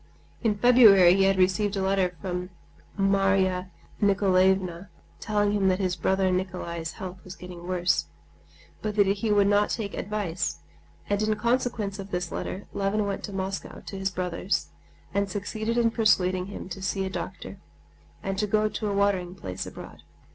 In February he had received a letter from Marya Nikolaevna telling him that his brother Nikolay's health was getting worse, but that he would not take advice, and in consequence of this letter Levin went to Moscow to his brother's and succeeded in persuading him to see a doctor and to go to a watering place abroad.